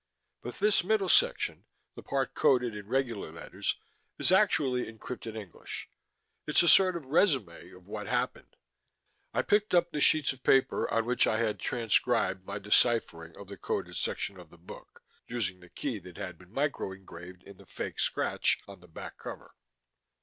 But this middle section: the part coded in regular letters it's actually encrypted English. It's a sort of résumé of what happened." I picked up the sheets of paper on which I had transcribed my deciphering of the coded section of the book, using the key that had been micro engraved in the fake scratch on the back cover.